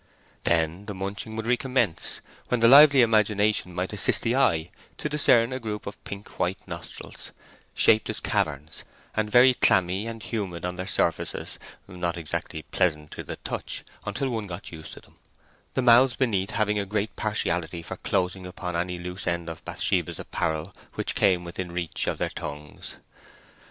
Then the munching would recommence, when the lively imagination might assist the eye to discern a group of pink white nostrils, shaped as caverns, and very clammy and humid on their surfaces, not exactly pleasant to the touch until one got used to them; the mouths beneath having a great partiality for closing upon any loose end of Bathsheba's apparel which came within reach of their tongues.